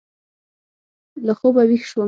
له خوبه وېښ شوم.